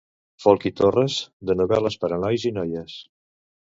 Folch i Torres de novel·les per a nois i noies.